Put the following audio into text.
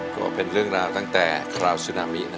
แข็งรักมี่นะ